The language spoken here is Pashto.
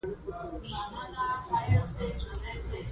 احساسولو سره مې ښاخ را کش کړل، لاسونه مې.